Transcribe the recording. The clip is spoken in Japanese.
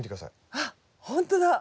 あほんとだ！